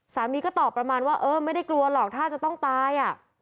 สามีก็ตอบประมาณว่าเออไม่ได้กลัวหรอกถ้าจะต้องตาย